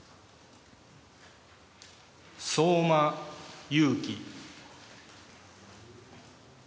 相馬勇紀。